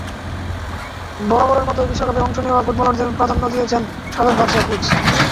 বরাবরের মতোই বিশ্বকাপে অংশ নেওয়া ফুটবলারদের প্রাধান্য দিয়েছেন সাবেক বার্সা কোচ।